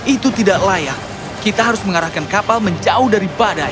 itu tidak layak kita harus mengarahkan kapal menjauh dari badai